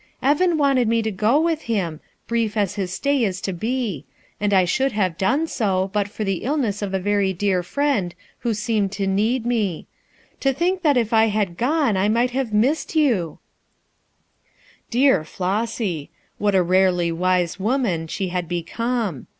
"Evan wanted me to go with him, brief as his stay is to be; and I should have done so, but for the illness of a very dear friend who seemed to need me; to think that if I had gone, I might have missed you I" Dear Flossy 1 what a rarely wise little woman she had become!